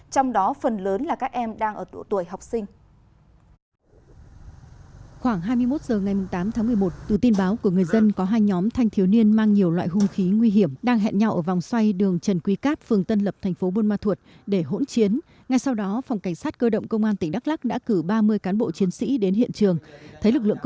trong đó phần lớn là các em đang ở tuổi học sinh